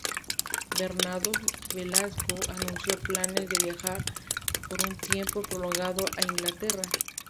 Bernardo Velasco anuncio planes de viajar por un tiempo prolongado a Inglaterra.